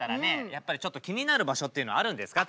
やっぱりちょっと気になる場所っていうのあるんですか？